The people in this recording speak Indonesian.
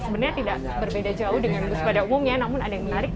sebenarnya tidak berbeda jauh dengan bus pada umumnya namun ada yang menarik